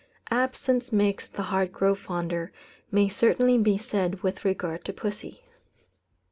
"Absence makes the heart grow fonder," may certainly be said with regard to pussy.